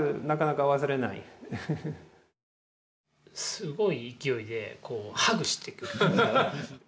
すごい勢いでこうハグしてくる。